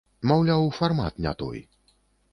Маўляў, фармат не той.